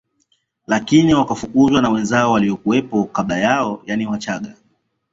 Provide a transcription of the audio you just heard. Lakini wakafukuzwa na wenzao waliokuwepo kabla yao yaani Wachaga